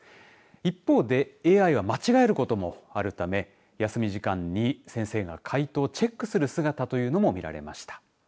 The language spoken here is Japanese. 一方で、ＡＩは間違えることもあるため休み時間に先生が回答をチェックする姿というのも見られました。